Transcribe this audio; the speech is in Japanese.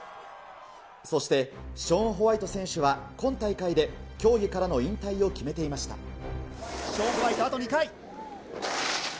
そして、ショーン・ホワイト選手は、今大会で競技からの引退を決めてショーン・ホワイト、あと２回。